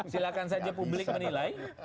silahkan saja publik menilai